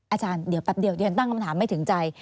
อาจารย์เดี๋ยวปั๊บเดียวตั้งคำถามไม่ถึงใจ